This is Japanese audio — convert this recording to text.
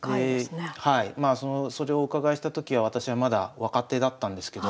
それをお伺いした時は私はまだ若手だったんですけど